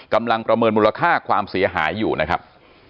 ประเมินมูลค่าความเสียหายอยู่นะครับ